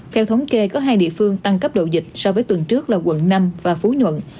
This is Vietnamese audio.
theo thống kê có hai địa phương tăng cấp độ dịch so với tuần trước là quận năm và phú nhuận